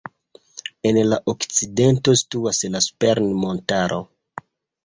En la okcidento situas la Sperrin-montaro.